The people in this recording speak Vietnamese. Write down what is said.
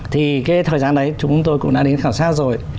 thì cái thời gian đấy chúng tôi cũng đã đến khảo sát rồi